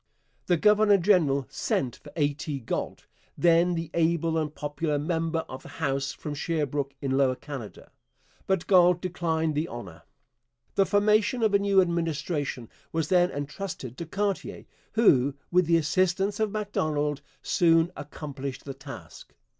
The governor general sent for A. T. Galt, then the able and popular member of the House from Sherbrooke in Lower Canada. But Galt declined the honour. The formation of a new Administration was then entrusted to Cartier, who, with the assistance of Macdonald, soon accomplished the task.